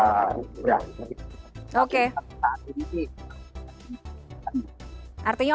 artinya operasi pasar